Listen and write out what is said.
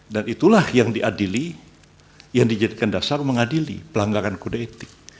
dan itulah yang diadili yang dijadikan dasar mengadili pelanggaran kode etik